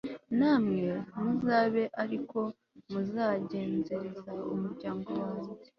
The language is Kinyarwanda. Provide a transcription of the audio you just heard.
namwe muzabe ari ko muzagenzereza umuryango wanjye